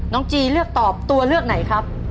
จีเลือกตอบตัวเลือกไหนครับ